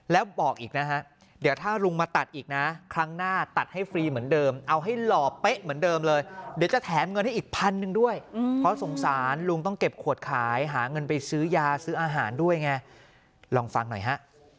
แล้วบอกอีกนะฮะเดี๋ยวถ้าลุงมาตัดอีกนะครั้งหน้าตัดให้ฟรีเหมือนเดิมเอาให้หล่อเป๊ะเหมือนเดิมเลยเดี๋ยวจะแถมเงินให้อีกพันหนึ่งด้วยเพราะสงสารลุงต้องเก็บขวดขายหาเงินไปซื้อยาซื้ออาหารด้วยไงลองฟังหน่อยฮะ